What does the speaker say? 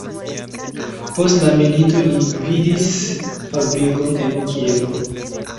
Post la milito li gvidis fabrikon en Kievo.